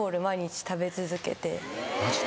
マジで？